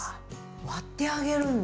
割ってあげるんだ。